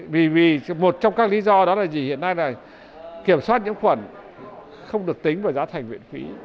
vì một trong các lý do đó là hiện nay là kiểm soát nhiễm khuẩn không được tính vào giá thành viện phí